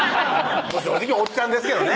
正直おっちゃんですけどね